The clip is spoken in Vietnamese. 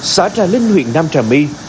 xã trà linh huyện nam trà my